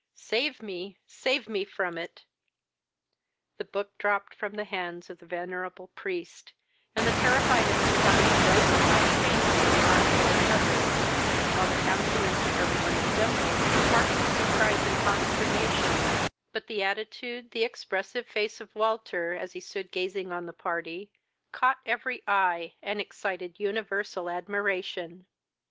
Save me, save me, from it!" The book dropped from the hands of the venerable priest, and the terrified and astonished Roseline fainted in the arms of her mother, while the countenance of every one assembled was marked with surprise and consternation, but the attitude, the expressive face of Walter, as he stood gazing on the party, caught every eye, and excited universal admiration.